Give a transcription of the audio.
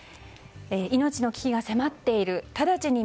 命の危機が迫っているただちに